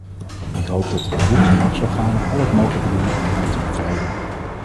Ik hoop dat de bevoegde machtsorganen al het mogelijke doen om hem te bevrijden.